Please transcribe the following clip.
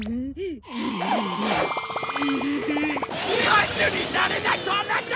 歌手になれないとはなんだ！